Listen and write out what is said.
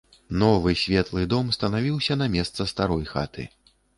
Новы светлы дом станавіўся на месца старой хаты.